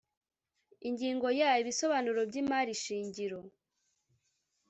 ingingo ya ibisobanuro by imari shingiro